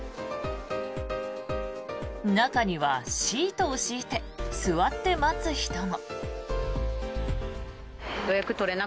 中には、シートを敷いて座って待つ人も。